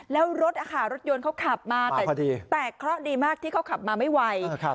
แล้วรถรถยนต์เขาขับมาแต่เคราะห์ดีมากที่เขาขับมาไม่ไหว